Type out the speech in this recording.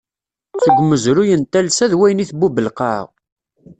Seg umezruy n talsa d wayen i tbub lqaɛa.